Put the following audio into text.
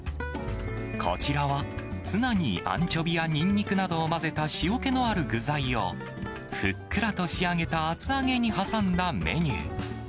こちらは、ツナにアンチョビやニンニクなどを混ぜた塩気のある具材を、ふっくらと仕上げた厚揚げに挟んだメニュー。